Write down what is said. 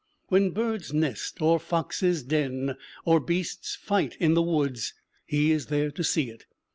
When birds nest, or foxes den, or beasts fight in the woods, he is there to see it.